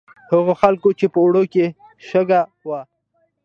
هغو خلکو چې په اوړو کې یې شګه وه.